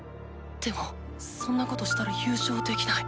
でもそんなことしたら優勝できない。